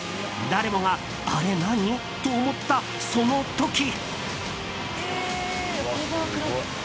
誰もが、あれ何？と思ったその時。